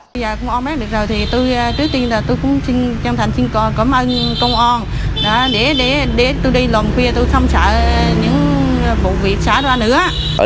bây giờ công an bắt được rồi tôi chân thành xin cảm ơn công an để tôi đi lòng khuya tôi không sợ những bộ việc xảy ra nữa